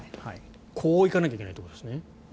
こう行かないといけないということですね。